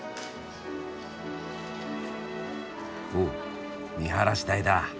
おっ見晴らし台だ。